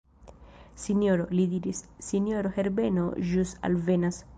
Sinjoro, li diris, sinjoro Herbeno ĵus alvenas.